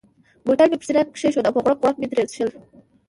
بوتل مې پر سینه کښېښود او په غوړپ غوړپ مې ترې څښل.